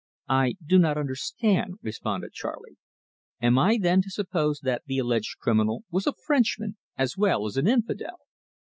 "I do not understand," responded Charley. "Am I then to suppose that the alleged criminal was a Frenchman as well as an infidel?"